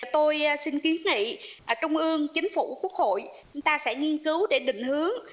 tôi xin kiến nghị trung ương chính phủ quốc hội chúng ta sẽ nghiên cứu để định hướng